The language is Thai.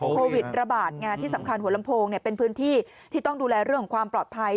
โควิดระบาดไงที่สำคัญหัวลำโพงเป็นพื้นที่ที่ต้องดูแลเรื่องของความปลอดภัย